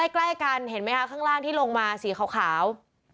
ใกล้กันเห็นไหมคะข้างล่างที่ลงมาสีขาว